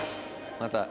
また。